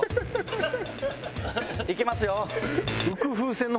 いきますよ。